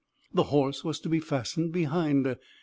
The horse was to be fastened behind.